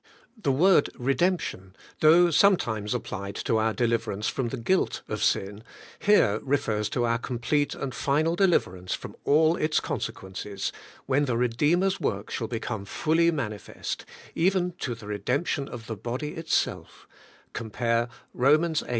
The word redemption, though sometimes applied to our deliverance from the guilt of sin, here refers to our complete and final deliver ance from all its consequences, when the Eedeemer's work shall become fully manifest, even to the re demption of the body itself {comp, Rom, viii.